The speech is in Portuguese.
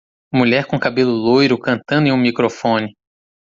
Mulher com cabelo loiro cantando em um microfone.